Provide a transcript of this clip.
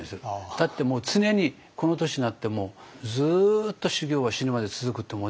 だってもう常にこの年になってもずっと修業は死ぬまで続くって思ってるから。